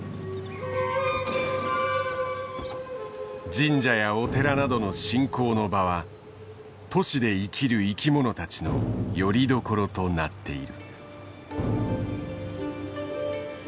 神社やお寺などの信仰の場は都市で生きる生き物たちのよりどころとなっている。